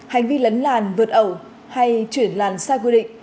hành vi lấn làn vượt ẩu hay chuyển làn sai quy định